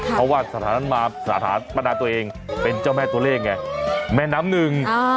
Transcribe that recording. เพราะว่าสถานะมาสถานประนาตัวเองเป็นเจ้าแม่ตัวเลขไงแม่น้ำหนึ่ง